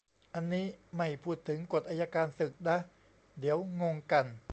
อันนี้ไม่พูดถึงกฎอัยการศึกนะ เดี๋ยวงงกัน